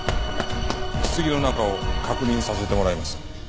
棺の中を確認させてもらいます。